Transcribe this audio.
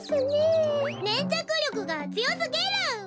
ねんちゃくりょくがつよすぎる。